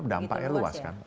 dampaknya luas kan